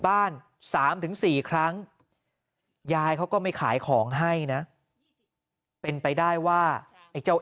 บ้าน๓๔ครั้งยายเขาก็ไม่ขายของให้นะเป็นไปได้ว่าไอ้เจ้า